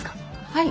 はい。